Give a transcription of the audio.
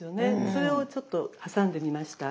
それをちょっと挟んでみました。